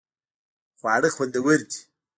خواړه خوندور دې